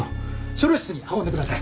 初療室に運んでください。